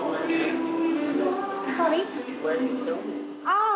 ああ！